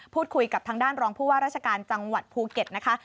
คุยกับทางด้านรองผู้ว่าราชการจังหวัดภูเก็ตนะคะ